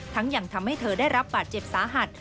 ยังทำให้เธอได้รับบาดเจ็บสาหัส